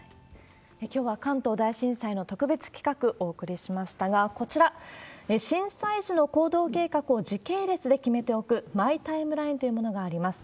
きょうは関東大震災の特別企画をお送りしましたが、こちら、震災時の行動計画を時系列で決めておくマイ・タイムラインというものがあります。